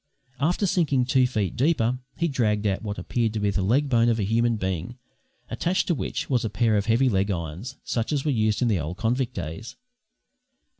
After sinking two feet deeper he dragged out what appeared to be the leg bone of a human being, attached to which was a pair of heavy leg irons, such as were used in the old convict days.